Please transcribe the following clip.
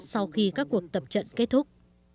sau khi các cuộc tập trận kết thúc